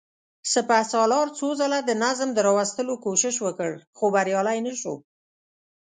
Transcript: سپهسالار څو ځله د نظم د راوستلو کوشش وکړ، خو بريالی نه شو.